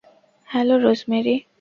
Hello, rosemary.